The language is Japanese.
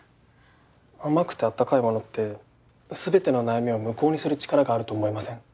甘くて温かいものって全ての悩みを無効にする力があると思いません？